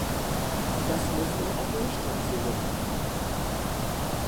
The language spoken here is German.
Das muss man auch nüchtern sehen.